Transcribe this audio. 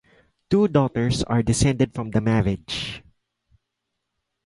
Two daughters are descended from the marriage.